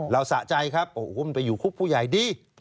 สะใจครับโอ้โหมันไปอยู่คุกผู้ใหญ่ดี